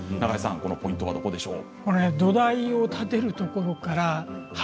ポイントはどこでしょう？